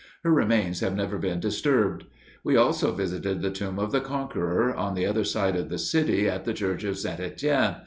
Her remains have never been disturbed. We also visited the tomb of the Conqueror, on the other side of the city at the church of St. Etienne.